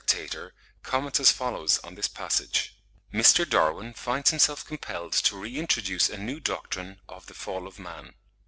320) comments as follows on this passage:—"Mr. Darwin finds himself compelled to reintroduce a new doctrine of the fall of man.